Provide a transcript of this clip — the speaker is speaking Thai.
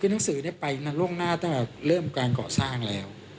คือหนังสือไปล่วงหน้าตั้งแต่เริ่มการก่อสร้างแล้ว